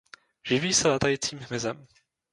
Živí se létajícím hmyzem.